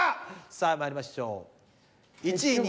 さあまいりましょう１位２位。